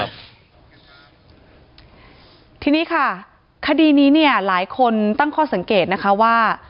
ทีนี้ค่ะคดีนี้เนี่ยหลายคนตั้งข้อสังเกตนะคะว่า